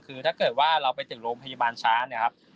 คือถ้าเกิดว่าเราไปถึงโรงพยาบาลช้าเนี่ยครับ